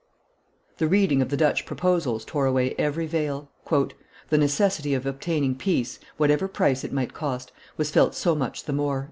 The reading of the Dutch proposals tore away every veil; "the necessity of obtaining peace, whatever price it might cost, was felt so much the more."